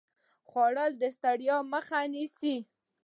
خوړل د ستړیا مخه نیسي